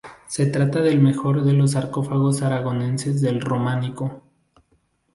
Se trata del mejor de los sarcófagos aragoneses del románico.